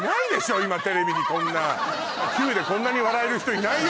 今テレビにこんな勢いでこんなに笑える人いないよ